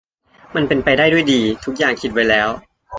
มันเป็นไปได้ด้วยดี ทุกอย่างคิดไว้แล้ว